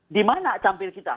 di mana campil kita